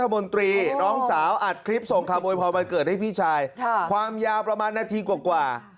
มันเกิดให้พี่ชายความยาวประมาณนาทีกว่า